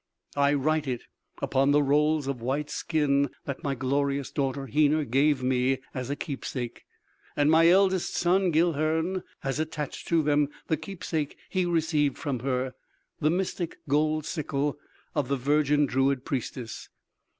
I wrote it upon the rolls of white skin that my glorious daughter Hena gave me as a keepsake, and my eldest son, Guilhern has attached to them the keepsake he received from her the mystic gold sickle of the virgin druid priestess.